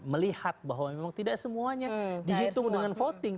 melihat bahwa memang tidak semuanya dihitung dengan voting